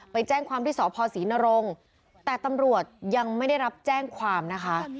ไปแจ้งความที่สพศรีนรงค์แต่ตำรวจยังไม่ได้รับแจ้งความนะคะ